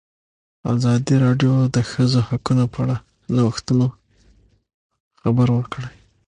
ازادي راډیو د د ښځو حقونه په اړه د نوښتونو خبر ورکړی.